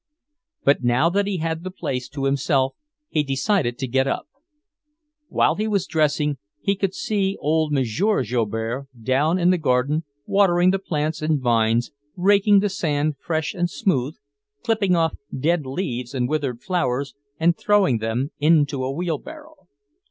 But now that he had the place to himself, he decided to get up. While he was dressing he could see old M. Joubert down in the garden, watering the plants and vines, raking the sand fresh and smooth, clipping off dead leaves and withered flowers and throwing them into a wheelbarrow.